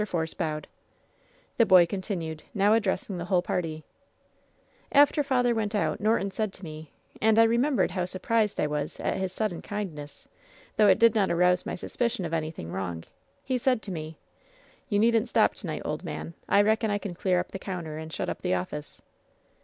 Force bowed. The boy continued, now addressing the whole party: "After father went out Norton said to me — and I remembered how surprised I was at his sudden kind ness, though it did not arouse my suspicion of anything wrong — ^he said to me :" ^You needn't stop to night, old man. I reckon I can clear up the counter and shut up the office.'